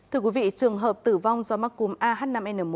thưa quý vị trường hợp tử vong do mắc cúm ah năm n một